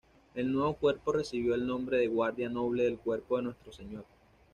El nuevo cuerpo recibió el nombre de "Guardia Noble del Cuerpo de Nuestro Señor".